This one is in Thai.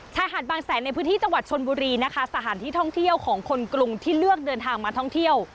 ชายหาดบางแสนในพื้นที่จังหวัดชนบุรีนะคะสถานที่ท่องเที่ยวของคนกรุงที่เลือกเดินทางมาท่องเที่ยว